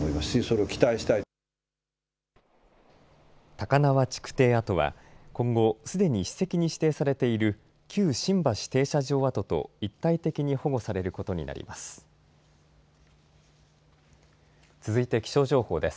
高輪築堤跡は今後すでに史跡に指定されている旧新橋停車場跡と一体的に保護されることになります。